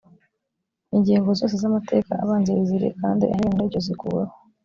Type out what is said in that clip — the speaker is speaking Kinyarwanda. ingingo zose z’amateka abanziriza iri kandi anyuranye naryo, zikuweho.